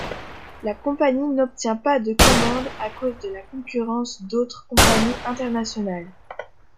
La compagnie n'obtient pas de commandes à cause de la concurrence d'autres compagnies internationales.